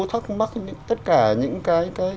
thắc mắc tất cả những cái